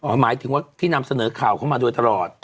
หมายถึงว่าที่นำเสนอข่าวเข้ามาโดยตลอด